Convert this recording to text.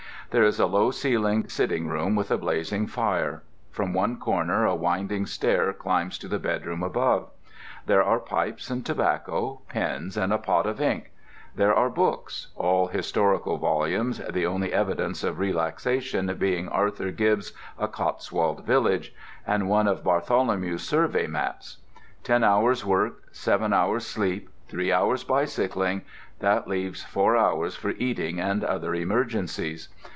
There is a low ceilinged sitting room with a blazing fire. From one corner a winding stair climbs to the bedroom above. There are pipes and tobacco, pens and a pot of ink. There are books—all historical volumes, the only evidence of relaxation being Arthur Gibbs' "A Cotswold Village" and one of Bartholomew's survey maps. Ten hours' work, seven hours' sleep, three hours' bicycling—that leaves four hours for eating and other emergencies.